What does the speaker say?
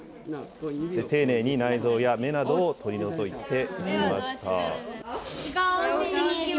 丁寧に内臓や目などを取り除いていきました。